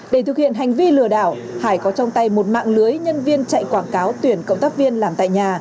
để thực hiện hành vi lừa đảo hải có trong tay một mạng lưới nhân viên chạy quảng cáo tuyển cộng tác viên làm tại nhà